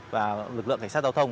và lực lượng cảnh sát giao thông